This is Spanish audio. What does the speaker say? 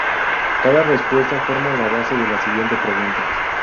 Cada respuesta forma la base de la siguiente pregunta.